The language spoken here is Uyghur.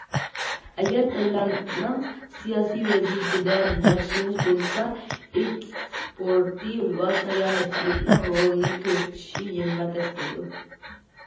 ئەگەر تايلاندنىڭ سىياسىي ۋەزىيىتىدە ياخشىلىنىش بولمىسا، ئېكسپورتى ۋە ساياھەتچىلىكىنىڭ رولىنى كۆرسىتىشى يەنىلا تەس بولىدۇ.